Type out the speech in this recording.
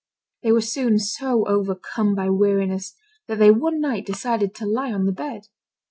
They were soon so overcome by weariness that they one night decided to lie on the bed.